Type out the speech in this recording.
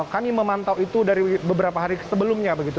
kami memantau itu dari beberapa hari sebelumnya begitu